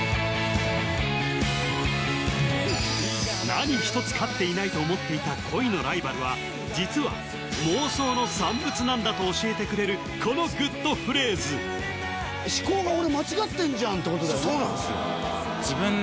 何ひとつ勝っていないと思っていた恋のライバルは実は妄想の産物なんだと教えてくれるこのグッとフレーズ思考が俺間違ってんじゃんってそうなんですよ